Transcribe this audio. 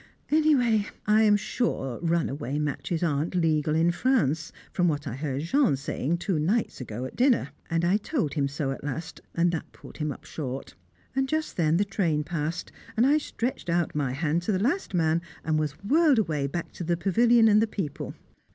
Anyway, I am sure runaway matches aren't legal in France, from what I heard Jean saying two nights ago at dinner; and I told him so at last, and that pulled him up short. And just then the train passed, and I stretched out my hand to the last man, and was whirled away back to the pavilion and the people.